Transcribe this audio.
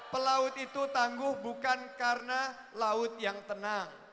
pelaut itu tangguh bukan karena laut yang tenang